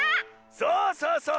そうそうそう！